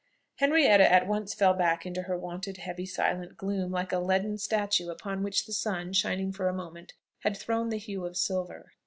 Henrietta at once fell back into her wonted heavy silent gloom, like a leaden statue upon which the sun, shining for a moment, had thrown the hue of silver.